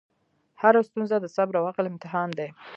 هره ستونزه د صبر او عقل امتحان دی.